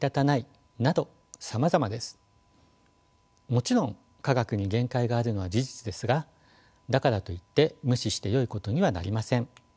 もちろん科学に限界があるのは事実ですがだからといって無視してよいことにはなりません。